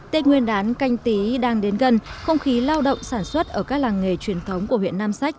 tết nguyên đán canh tí đang đến gần không khí lao động sản xuất ở các làng nghề truyền thống của huyện nam sách